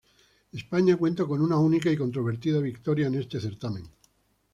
España cuenta con una única y controvertida victoria en este certamen.